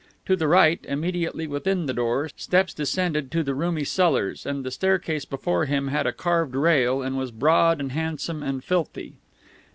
To the right, immediately within the door, steps descended to the roomy cellars, and the staircase before him had a carved rail, and was broad and handsome and filthy.